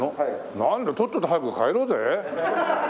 なんだとっとと早く帰ろうぜ。